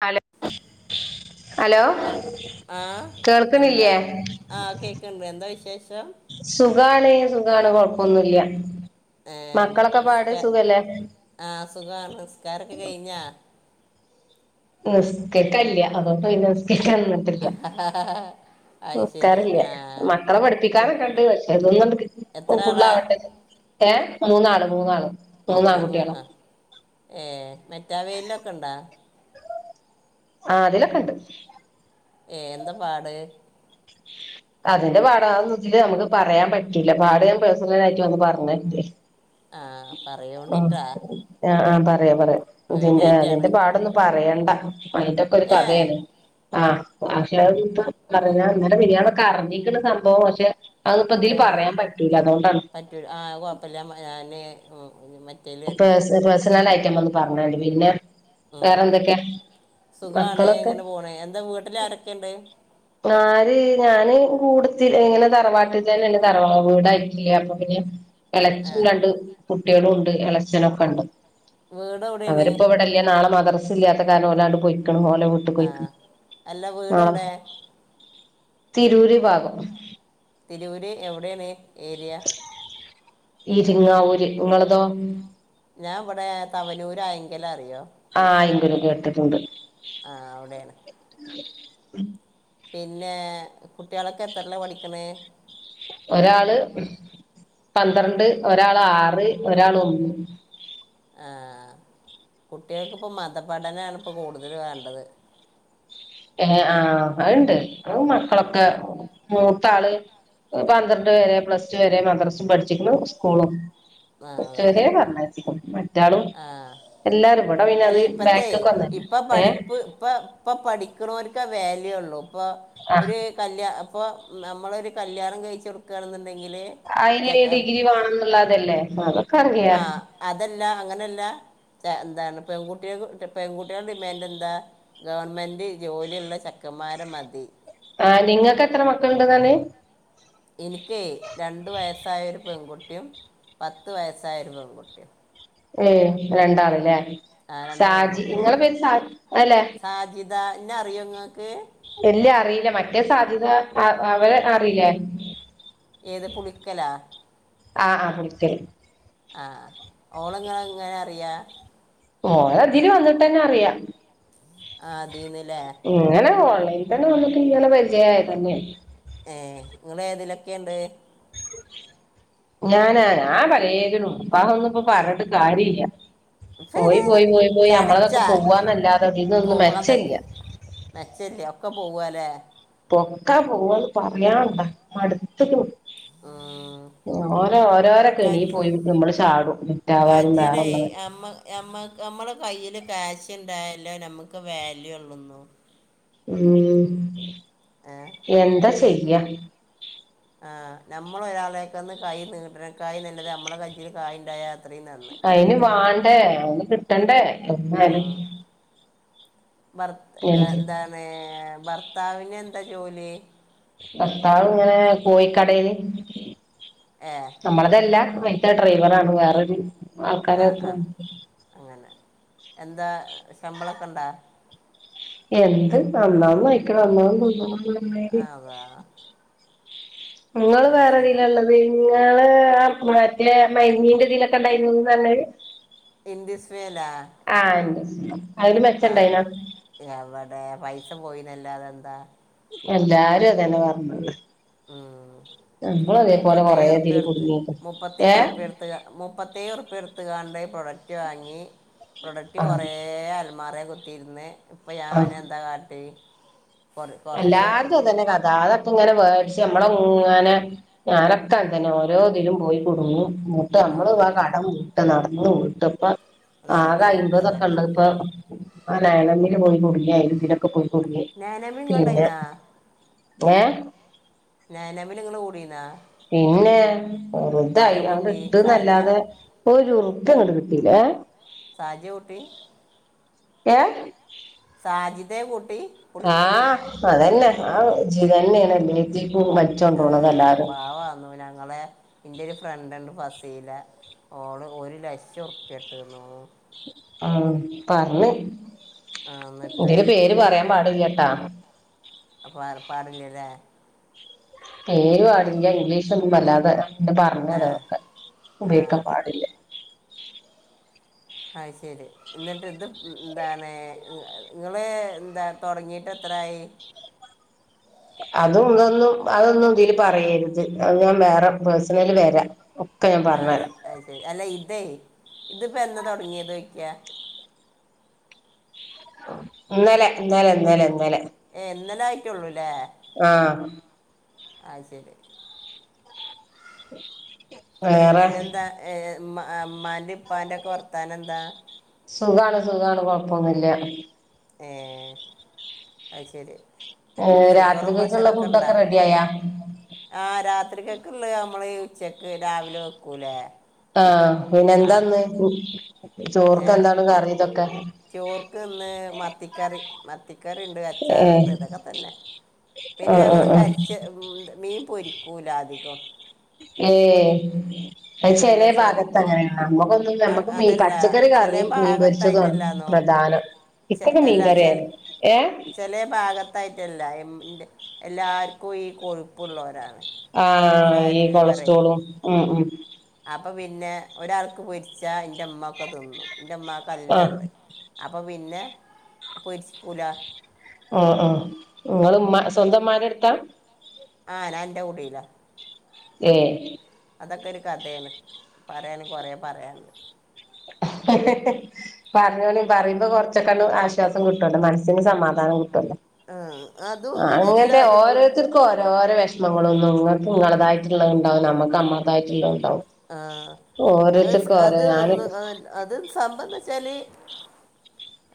നല [unintelligible] അൽ ആ എന്താ കേൾക്കണില്ലേ ആ കേക്കിണ്ട് എന്താ വിശേഷം? സുഖാണേ സുഖാണ് കൊഴപ്പൊന്നില്യ. എം നിസ്കാ ആ സുഖാണ് നിസ്കാരൊക്കെ കഴിഞ്ഞാ നിസ്ക്കക്കല്യ അതോണ്ട്പിന്നെ നിസ്കക്കന്നിന്നിട്ടില്ല. അത് ശരി നിസ്കാരില്ലാ ആ മക്കളെ കു- പഠിപ്പിക്കാനൊക്കെണ്ടെ പക്ഷെ അതൊന്നും എത്ര [unintelligible] ആളാ ഫുള്ളാവട്ടെ ഏ മൂന്നാള് മൂന്നാള്. മൂന്ന് മൂന്നാൺകുട്ടികളാ ആ ഏ മറ്റാവെയിലൊക്കൊ ണ്ടാ? ആ വെയിലൊക്കൊണ്ട്. ഏ എന്താ പാട് [unintelligible] അതിന്റെ പാടാ അതൊന്നും ഇതില് നമുക്ക് പറയാൻ പറ്റൂല്ല പാടെ ഞാൻ പേഴ്സണലായിട്ട് വന്ന് പറഞ്ഞല്ലേ ആ പറയോണ്ടിട്ടാ പറയാം പറയാം ഇതിന്റെ പേടിയായിട്ടാണ് അതിന്റെ പാടൊന്നും പറയണ്ട. അയിന്റൊക്കൊരു ഏ കഥയാണ് ആ പക്ഷെ ഇ പറഞ്ഞാ ഇന്നലെ ബിരിയാണൊക്കെ അറിഞ്ഞിരിക്കണ സംഭവമാ പക്ഷെ അതിപ്പോ ഇതില് അതെ പറയാൻ പറ്റൂല അതുകൊണ്ടാണ് പറ്റൂല്ല ആ കൊയപ്പില്ല ഞാനെ ഉം പേ പേഴ്സണലായിട്ടെ ഞാൻ വന്നെ പറഞ്ഞണ്ട് പിന്നെ ഉ വേറെ എന്തൊക്കെയാ സുഖാണേ മക്കളൊക്കെ ഇങ്ങനെ പോണേ എന്താ വീട്ടില് ആരൊക്കെയുണ്ട് ആരേ ഞാനെ കൂടത്തിലിങ്ങനെ തറവാട്ടിൽ തന്നെ അങ്ങെ തറവാ വീടായിട്ടില്ലേ അപ്പൊ പി എളച്ചും ആ രണ്ട് കുട്ടികളും ഉണ്ട് എ ളച്ചനൊക്കെണ്ട് വീട് എവിടെയാണ് അവരിപ്പോ ഇവിടെല്ല നാളെ മദ്രസ് ഇല്ലാത്ത കാരണം ഒരാണ്ട് പോയി ഓലെ വീട്ടിക്ക് ആ പ്പോയി അല്ല ആ വീട് എവിടെ തിരൂര് ഭാഗം തിരൂർ ര് എവിടെയാണ് ഏരിയ ഇരിങ്ങാവൂര് നിങ്ങളതോ ഞാൻ ഇവിടെ തവനൂര് ആയെങ്കിലറി ആ ആയിങ്കരു കേട്ടിട്ടുണ്ട് ആ അവിടെയാണ് ഉം പിന്നെ കുട്ടികളൊക്കെ എത്രിലാ പഠിക്കണ് ഒരാള് പന്ത്രണ്ട് ഒരാളെ ആറ് ഒരാളെ ഒന്ന് ആ കുട്ടികൾക്കിപ്പോ മത പഠനാണിപ്പോ കൂടുതലു വേണ്ടത് ഏ ആ അയുണ്ട് അതു മക്കളൊക്കെ മൂത്താള് പന്ത്രണ്ട് വരെ പ്ലസ് ടു വരെ മദ്രസും പഠിച്ചിരിക്കുന്നു സ്കൂളും ആ ഉച്ച അതെ വരേ പറഞ്ഞയച്ചും മറ്റാളും ആ എല്ലാരും ഇവിടെ പിന്നെ അത് അല്ല ഇപ്പത്തേ ബാക്ക്ക്ക് വന്നല്ലേ ഇപ്പ ഏഹ് പഠിപ്പ്‌ ഇപ്പൊ ഇപ്പ പഠിക്കണോർ ഒക്കെ വാലിയൂ ഉള്ളൂ ഇപ്പൊ ആഹ് ഒരു കല്യാണം ഇപ്പ നമ്മളൊരു കല്യാണം കഴിച്ച കൊടുക്കയാണെങ്കിൽ അയിന് ഈ ഡിഗ്രി വേണംന്നുള്ളതല്ലേ അറിയാ ആ അതല്ല അങ്ങനല്ല ഇതെ എന്താണ് പെൺകുട്ടികക്ക് പെൺകുട്ടികളുടെ ഡിമാന്റെന്താ ഗവൺമെന്റ് ജോലിയുള്ള ചെക്ക കുമാരമതി ആഹ് നിങ്ങക്ക് എത്ര മക്കളുണ്ട്ന്നർഞ്ഞ് എനിക്കേ രണ്ടു വയസ്സായൊരു പെൺകുട്ടിയും പത്ത് വയസ്സായിരുന്നു പെണ്കുട്ടി ഏ രണ്ടാളല്ലേ ആ രണ്ട് ഷാജി പെൺകുട്ടികൾ നിങ്ങളെ പേര് ഷാജി അല്ലേ എന്താ ഇന്ന അറിയോ നിങ്ങൾക്ക് എല്ല അറിയില്ല മറ്റേ സാധ്യത അവരെ അറിയില്ലേ ഏത് പുളിക്കലാ ആആ പുളിക്കൽ ആ ഓളങ്ങങ്ങനെ അറിയാ ഓളെ ഇതില് വന്നിട്ട് തന്നെ അറിയാം ആ തീന്നല്ലേ ഇങ്ങനെ [unintelligible] ഇങ്ങനെ പരിചയ ആയതന്നെ ഏ നിങ്ങളെ ഏതിലൊക്കെുണ്ട് ഞാനാ ആ പലയതിനുംപ്പഹ ഒന്നും ഇപ്പൊ പറഞ്ഞിട്ട് കാര്യ ഇില്ല പോയി പോയി പോയി പോയി ചടച്ച നമ്മളതൊക്കെ പോവാന്നല്ലാതെ ഇതി ന്നോന്നും പോവാതെ മെച്ചില്ല മെച്ചല്ലേ ഒക്കെ പോവല്ലേ പൊക്കാ പോവന്ന് പറയാണ്ടാ മട്ത്ത്ക്ക്ണ് ആ ഓരോ ഓരോരോക്കെ കേണീ പോയിട്ട് നമ്മള് ചാടും വിറ്റാവാനും വേറെള്ളത് നമ്മുടെ കയ്യിൽ കാശുണ്ടായല്ലോ നമുക്ക് വാല്യൂ ഉള്ളുന്നു മ് എന്താ ചെയ്യ ആ നമ്മള ഒരാളെക്കന്ന് കൈ നീട്ട് നെ കായ് നല്ലത് നമ്മളെ കഞ്ചിൽ കായ ഉണ്ടായ അയിന് വാണ്ടേ അയിന് കിട്ടണ്ടേ ഉം [unintelligible] ഭർ എന്ത് എന്താണ് ഭർത്താവിന എന്താ ജോലി ഭത്താാവും ഇങ്ങനെ പോയിിക്കടൽ ഏ നമ്മളതല്ല മത്ര ഡ്രൈവർാണ് വേറൊരു ആൾക്കാര ആ ആ [unintelligible] അങ്ങനെ എന്താ ശമ്പളൊക്കെ ണ്ടാ എന്ത് അന്നാന്ന് നയിക്കണം അന്നന്ന് [unintelligible] ആ [unintelligible] നിങ്ങള്ൾവേറെതില ള്ളത് നിങ്ങള് മറ്റ മനീന്റെ ഇതിലൊക്കെ ഉണ്ടായി [unintelligible] എന്ന്ദിസ് വേല അതിന് മെച്ചണ്ടായിനാ എവിടെ പൈസ പോയിന്നല്ല അതെന്താ എല്ലാരും അതന്നെ പറഞ്ഞത് മ് നമ്മളും അതേപോലെ മുപ്പത്ത കൊറേ ർ ഇതില് പർ കുടുങ്ങീക്ക്ണ് മുപ്പത്തിേർ ഏഹ് പർ മുപ്പത്തേർ പർ ത്തുകാണ്ട് ഈ പ്രൊഡക്റ്റ് വാങ്ങി പ്രൊഡക്റ്റ് ആഹ് കുറേ അൽമാറ കുത്തിയിരുന്ന് ഇപ്പൊ ഞാനെ എന്താ കാട്ടി കൊറ കൊറച്ച് എല്ലാർക്കും അതന്നെ കഥ [unintelligible] ഇങ്ങനെ മേടിച്ച് നമ്മളെ ഇങ്ങനെ ഞരൊക്കാ തന്നെ ഓരോ ഇതിലും പോയി കുടുങ്ങു മങ്ങോട്ട് നമ്മള് ആഹ് ആ കടംട്ട് നടന്ന വട്ടപ്പ ആ നടന്ന് വീട്ടുക കഴമ്പതൊക്കെ തന്നെ ഉണ്ട് ഇപ്പൊ ആ നയണമ്മില് പോയി കുടുങ്ങിയായി ഇതിലൊക്കെ പോയി [unintelligible] ണ്ടായിന്നാ ഏ ഞാ നവിൽ ഇങ്ങനെ കൂടന്നാ പിന്നെ വറുതായി അണ്ട് കൂട്ടി സാജിയ ഇട്ട്ന്നല്ലാതെറു [unintelligible] കിട്ടീല്ലഏ സാജി ഊട്ടി ഏ സാജിതേ. ആഹ് അതന്നെ ആ ജ് ത. [unintelligible] ആഹ പവാന്നു ഞങ്ങളെ എന്റെ ഒരു ഫ്രണ്ട്ണ്ട് ഫ. സീല ഓള് ഒരു ലക്ഷം ഉർപ്പ്യ ട്ടുന്നു. ആഹ പർഞ്. ആ, എന്നിട്ട് എതില് പേര് പറയാൻ പാടില്ലട്ടാ. [unintelligible] ലേ. പേരും ആടില്ല ഇംഗ്ലീഷൊന്നും വല്ലാതെ. ന്ന് ആ പറഞ്ഞരാ അതൊക്കെ ആ ഉപയോഗിക്കാൻ പാടില്ല. ആ് ശരി എന്നിട്ട് ഇത് എന്താണ് നിങ്ങള് എന്താ തുടങ്ങിട്ട് എ ത്ത് എത്രയി. അതും ഇതൊന്നും അതൊന്നും ഇതില് പറയരുത് അത് ഞാൻ വേറെ പേഴ്സണല് വരാ. ആ അ ശരി അല്ല ഇതെ ഇതിപ്പോ എന്നാ തുടങ്ങിയത് ഓയിക. ഇന്നലെ ഇന്നാലെ ഇന്നാലെ ഇന്നാലെ. ഏ എന്നലെ ആയിട്ടള്ളൂല്ലേ? ആഹ. ആഹ ശരി. ഉം. പിന്നെന്താ ഏ അമ്മാന്റെ ഉപ്പാന്റെ ഒക്കെ വർത്താന എന്താ? സുഖമാണ് സുഖമാണ് കൊഴപ്പൊന്നില്ല. ഏ അശരി. ഏ രാത്രികൊക്കുള്ള ഫുഡൊക്കെ റെഡിആയാ. ആഹ രാത്രിക്കൊക്കള്ള നമ്മള് ഉച്ചക്ക് രാവിലെ വെക്കൂലേ. ആഹ പിന്നെ ആ എന്താന്ന് മം ഏ ചോർക്കെന്താണ് കറി ഇതൊക്കെ? ചോർക്ക് ഇന്ന് മത്തിക്കറി, മത്തിക്കറിണ്ട് ഏഹ് അച്ചാറണ്ട് ഇതൊക്കെ തന്നെ. പിന്നെ ആഹ് ഞങ്ങൾ ആഹ് ആഹ് കരിച്ച്, മീൻ പൊരിക്കൂല അധികവും. ഏ. അത് എന്താ ചെലേ വെച്ചാൽ ഭാഗത്ത് അങ്ങന ആണ്., നമ്മൾക് ഒന്നും ഞമ്മക്ക് ഈ അതല്ല പച്ചക്കറി ചില കറിം മീൻ പൊരിച്ചതും ആണ് പ്രദാനം. ച [unintelligible] അല്ലാ ചെല ചെലേ ഭാഗത്ത്. ത്തായിട്ടല്ല എന്റെ [unintelligible] എല്ലാവർക്കും ഈ കൊഴുപ്പുള്ളവരാണ്. ആ ഈ ഫാറ്റ് കൊളസ്ട്രോളും ഉം ഉം. അപ്പൊ പിന്നെ ഒരാൾക്ക് പൊരിച്ചാ എന്റെ അമ്മമാക്കെ തിന്നു എന്റെ അമ്മാക് ആഹ് ന്നല്ലണ്ട്. അപ്പൊ പിന്നെ പൊരിച്ചുകൂലാന്ന് ആ ആ നിങ്ങൾ ഉമ്മ സ്വന്തം ഉമ്മാന്റെ എടുത്താ. ആഹ ഞാൻ എന്റെ കൂടില. ഏ. അതൊക്കെ ഒരു കതെയാണ് പറാണെങ്കി കൊറേ പറ്യാൺണ്ട്. ഏഹ് ഹെ ഹെ പറഞ്ഞോളി പറയുമ്പോ കുറച്ചൊക്കണ്ണ്ട് ആശ്വാസം ക്ട്ടോലൊ മനസ്സിന് സമാധാനം കിട്ടോലൊ. ആ, അതും എല്ലാം അങ്ങനത്തെ അതിപ്പോൾ ഓരോരുത്തർക് ഓരോ ഓരോ വിഷമം. [unintelligible] ന്നു ങ്ങക്ക്ഇളതായിട്ട്ള്ളത് ഉണ്ടാവും നമ്മക്ക്ന്നമ്മളതായിട്ടുള്ളതും [unintelligible] അത് ഓരോരുത്തർക്ക് സ- ഓരോ അത് ഒന്ന് ഞാനൊക്കെ അത് അത് സംഭവം എന്താന്ന് വെച്ചാല്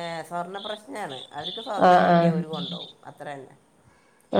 എഹ് സ്വർണ പ്രശ്നാണ്. അവർക്ക് സ്വർണം ആഹ് കിട്ടിയാ അവര് ആഹ് കൊണ്ടോവും അത്രതന്നെ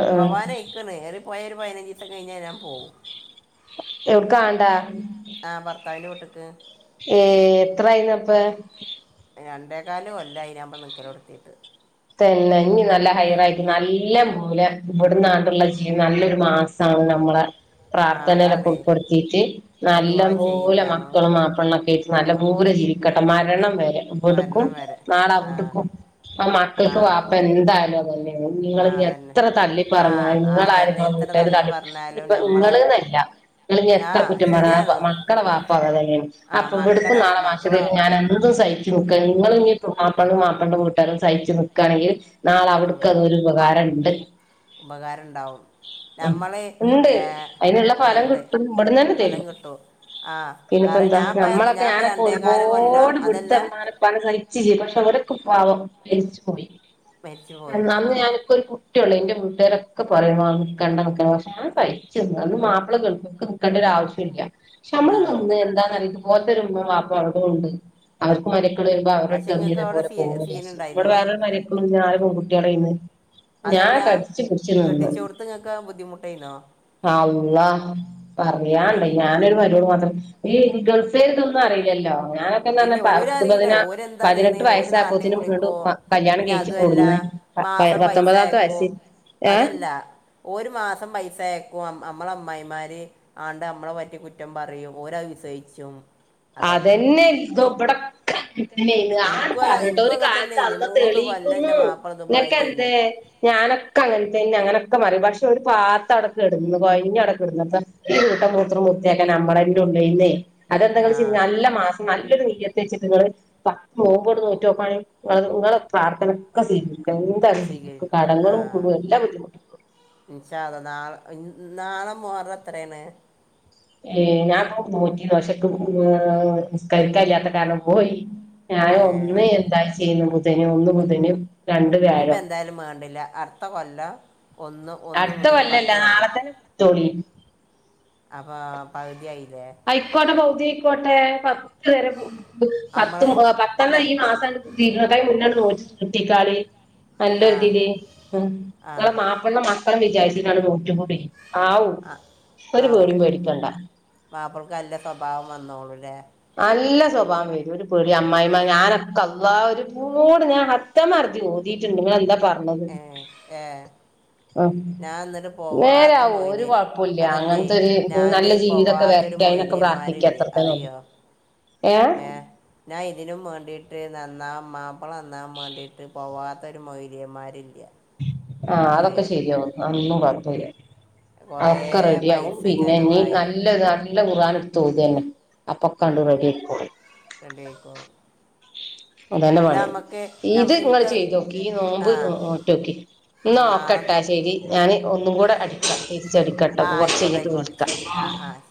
ആഹ് ആഹ് പോവാനായിക്ണ് ഏറി പോയൊ ഒരു പതിനഞ്ചിസം കഴിഞ്ഞാ ഞാൻ പോവും. എവ്ട്ക്ക ആൺണ്ടാ. ആഹ ഭർത്താവിന്റെ വീട്ടിക്ക് ഏ എത്രായിന്നപ്പ. രണ്ടേ കാല് കൊല്ലായി ഞാൻ ഇപ്പോൾ നിൽക്കലുകൊടുത്തീട്ട് തെന്നെ ഇഞ്ഞി നല്ല ഹൈറായിട്ട് നല്ലം പോലെ ഇവട്ന്നാണ്ട്ള്ള ജീവി നല്ലൊരു മാസമാണ് നമ്മള ആ പ്രാർത്ഥനയിലൊക്കെ അതാണ് ഉൾപ്പെടുത്തിട്ട് നിങ്ങൾ നല്ല ദുആ പോലെ ചെയ്യിട്ടാന്നോ മക്കളും മാപ്പിളൊക്കെ [unintelligible] നല്ല പോലെ ചിരിക്കെട്ട മരണം വരെ ടുക്കും മരണം വരെ ആ നാളാടുക്കും ആ [unintelligible] ആ നിങ്ങക്ക് വാപ്പ എന്തായാലും അത് തന്നെ ആണ് നിങ്ങൾ ആ ഇനി അതന്നെ എത്ര തള്ളി ആ പറഞ്ഞാലും നിങ്ങള ആരും അതന്നെ നിങ്ങടെ എത്ര വീട്ടുകാർ തള്ളി പറഞ്ഞാലും ഇയിപ്പ നമ്മളെ നിങ്ങളുന്നല്ല നിങ്ങൾ ഇനി ആ എത്ര കുറ്റംപറഞ്ഞാലും ശരിയാണ് മക്കളുടെ പാപ്പാ അത് തന്നെ ആണ്. ആ അപ്പ ഇവിടുക്കും മക്കനെ നാളെ മക്കളെ [unintelligible] ഞാനെന്ത് എന്തും സഹിക്കും ഇക്കൈങ്ങളിനിപ്പോൾ വാപ്പനയും വാപ്പന്റെ വീട്ടുകാരെയും സഹിച്ച് നിക്കാണെങ്കിൽ നാളെ ഉം, അവിടുക്ക അതൊരു ഉപകാരമുണ്ട് ഉപകാരം ഉണ്ടാവും ഉം നമ്മൾ ഉണ്ട് അയിനുള്ള ഫലം ഉണ്ട് കിട്ടും ഇവിടന്ന് തന്നെ ഫലം തെരും കിട്ടും ആ പിന്നെപ്പോ കാരണം എന്താ ഞാൻ ഇപ്പം നമ്മളൊക്കെ ഞാൻ ഇപ്പം ഞാനൊക്കെ രണ്ടേകാല് കൊല്ലം ഒരുപോട് ഇവിടുത്ത അതെല്ലാം ഉമ്മാനാ ഉപ്പാനയും സഹിക് പക്ഷെ [unintelligible] ഇവരൊക്കെ പാവം എരിച്ചു പോയി മരിച്ചു പോയി എന്നാന്ന് ഞാനൊക്ക ഒരു [unintelligible] റ്റുള്ളൂ എന്റെ വീട്ടുകാരൊക്കെ പറയണ് ആ നിക്കണ്ട നിക്കണ്ട പക്ഷെ ഞാൻ സഹിച്ച് നിന്ന് എന്റെ മാപ്പള ഗൾഫിക്ക് നിക്കാണ്ട് അതിന്റെ ആവിശ്യയില്ല പക്ഷെ നമ്മൾ ആ അന്നേ എന്താനറിയുവോ ഇതുപോലത്തെ ഉമ്മയും വാപ്പായും ഉള്ളത് കൊണ്ട് അവർക്ക് [unintelligible] ഇവിടെ വരുമ്പോൾ അവരുടെ പക്ഷേ അടുത്ത് നിങ്ങൾക്ക് അവിടെ ഇതേകണക്ക് സീ പോകുന്ന് സീൻ വിചാരിച് ഉണ്ടായിരുന്നോ [unintelligible] ആറു പെൺകുട്ടികൾ ആയിരുന്നു അതല്ല കെട്ടിച്ച കൊടുത്തിങ്ങക്ക് ബുദ്ധിമുട്ടായിന്നോ അള്ളാ ഏ പറയാനുണ്ടോ ഞാനൊരു [unintelligible] മാത്രം ഈ ഗൾഫിലേക്ക് ഇതൊന്നും അറിയില്ലല്ലോ ഞാനൊക്കെ എന്നാന്നോ ഇല്ല പത്ത് ഓരറിയില്ല പതിന ഓരെന്താ പതിനെട്ട് അറിയണേ ഓര് വയസ്സ് ആ നാട്ടിൽ കൊച്ചിന് ഇങ്ങട് കുളിക്കോ മ പിന്നെ കല്യണംകഴിച്ചു അതുമല്ല കൊണ്ടുന്നെ മാസം [unintelligible] പൈസ പത്തൊമ്പതാമത്തെ അയക്കും വയസ്സിൽ ഏ അതല്ല ഒരു മാസം പൈസയക്കും നമ്മളെ അമ്മായിമാർ ആണ്ട് നമ്മളെ പറ്റിയ കുറ്റം പറയും ഓര വിശയി പിച്ചും [unintelligible] അതെന്നെ ഇബടൊക്ക [unintelligible] ആട് എനിക്കും അതാ പറഞ്ഞിട്ട് എനിക്കും ഒരു അങ്ങനെ തന്നെ കാലത്ത് ആയിരുന്നു അഥ മൂന്ന് കൊല്ലം തെളിയിക്കുന്നു എൻ്റെ മാപ്പിള നിനക്കെന്തേ ദുബായിലായിരുന്നു ഞാൻ അതൊക്കെ അങ്ങനതന്ന അങ്ങന ഒക്കെ [unintelligible] പക്ഷ ഒരു പാത്ത അടക്ക ഇടുന്നു കൊഴഞ്ഞ അടക്ക ഇടുന്നു അപ്പൊ ഈ കൂട്ട മൂത്രം മുത്തിയാക്കാൻ നമ്മളെറെ ഉണ്ടന്നേ ആ നല്ല മാ നല്ലൊരു നീയത്ത വെച്ചിട്ട പത്ത് മോൻ്പോട് നൂറ്റ നോക്കയാണെങ്ക നിങ്ങെട പ്രാർത്ഥന ഒക്കെ ചെയ് എന്താ സ്വീകരി ആ കടങ്ങളും കൂടും എല്ലാം ബുദ്ധിമുട്ടള്ളു നണും മോർത്രന ഏ ഞാൻ പോറ്റി വശക്കർ ക കഴിയാത്ത കാലം പോയി. ഞാൻ ഏ ഒന്ന് എന്തായി ചെയ്യുന്നു ബുധന് ഒന്ന് ബുധനും ഇപ്പ എന്തായാലും വേണ്ടില്ല അർത്ത കൊല്ലം ഒന്ന് ഒന്ന് അടുത്ത മുതൽ വല്ലല്ല പത്ത് വരെ നാളെ തന്നെത്തോളി അപ്പ പകുതിയായി ഐക്കോട്ടെ ബൗതി ഇക്കോട്ടെ പ പരെ നമ്മൾ പത്തും പത്തെെണ്ണണം ഈ മാസീന്നത് ഇരുപത് മുന്നാണ് നോ കുട്ടിക്കാളി ആ നല്ലരുതിൽ ഉ ആ നെ മാപ്പി മക്കളും വിചാരിച്ച [unintelligible] റ്റപൂടി ആ ഒരു പേടും പേടിക്കണ്ട ഗല്ല സ്വഭാവം വന്നോളില്ല നല്ല സ്വഭാവം വരും ഒരു പേടി അമ്മായി ഞാനൊക്കെ അള്ള ഒരു കൂട് ഞാൻ [unintelligible] ഓതി ന്ത പ ഏ ഏ ആ ഞാൻ എന്നിട്ട് പോവാത്ത നേരവു ഒരു മൊയില് കുഴപ്പില്ല അതല്ലേ അങ്ങനത്തെ ഒരു ഞാൻ നല്ല ജീവിതമൊക്കെ വേറെ പോവാത്തൊരു ക്കന മൊയിലേമാരില്ലേ കബരാത്തിക്കത്രത്തെ അറിയോ ഏ ഞാൻ ഇതിനും വേണ്ടിട്ട് നന്നാം മാപ്പള നന്നാൻ വേണ്ടിട്ട് പോവാ ഒരു മൊലിയെമാരില്ല ആ അതൊക്കെ ശരിയാവുന്നു അന്നും കുഴപ്പില്ല കുറേ അതൊക്കെ റെഡിയ ആകും പൈസ പിന്നെ ഇനീ ചിലവായി നല്ലത് നല്ല കുറൻ എടുത്തു ഓതിയെന അപ്പക്കണ്ടു റെഡിക്കി രണ്ട് പേർക്കും അല്ല അതനവാണി നമുക്ക് ഇത് നിങ്ങൾ എനിക്ക് ചെയ്തോക്കി ഈ ആ നോമ്പ്റ്റ നോക്കി ഇന്ന് ആ നാളെ നോക്കട്ടാ ശെരി ഞാന് ഒന്നുംകൂടെ അടിക്കാ ആ തിരിച്ചടിക്കട്ടപ്പ ആയിക്കോട്ടെ കൊറച്ചയ്ഞ്ഞിട്ട് ആയിക്കോട്ടെ വിളിക്ക ശരി ആ ആ ശരി